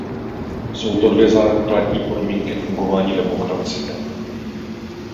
Jsou to dvě základní podmínky fungování demokracie.